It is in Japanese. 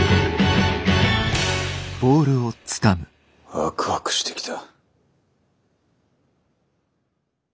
ワクワクしてきた。